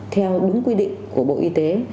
theo đúng quy định của bộ y tế